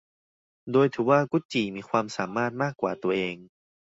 โดยถือว่ากุดจี่มีความสามารถมากกว่าตัวเอง